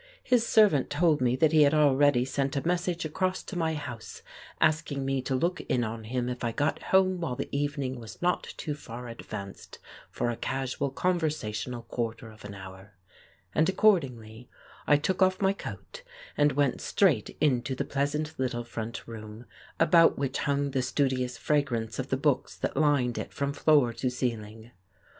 His servant told me that he had already sent a message across to my house, asking me to look in on him if I got home while the evening was not too far advanced for a casual conversational quarter of an hour; and accordingly I took off my coat, and went straight into the pleasant little front room, about which hung the studious fragrance of the books that lined it from floor to ceiling.